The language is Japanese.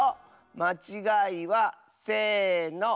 まちがいはせの！